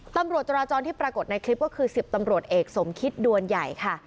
ตำรวจจราจรที่ปรากฏในคลิปก็คือ๑๐ตำรวจเอกสมคิดดวนใหญ่ค่ะ